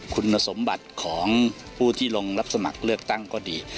คุณสมบัติของผู้ที่ลงรับสมัครเลือกตั้งก็ดี